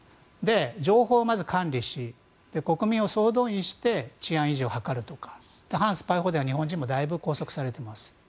情報をまず管理し国民を総動員して治安維持を図るとか反スパイ法では日本人もだいぶ拘束されています。